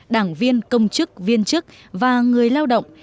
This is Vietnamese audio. đảng viên công chức viên chức và người lao động